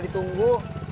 selamat tinggal pak